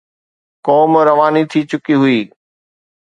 قوم رواني ٿي چڪي هئي.